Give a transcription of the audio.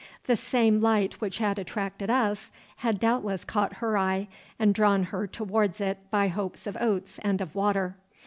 The same light which had attracted us had doubtless caught her eye, and drawn her towards it by hopes of oats and of water.